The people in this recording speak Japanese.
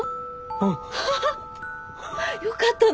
うん。ハハハよかったね。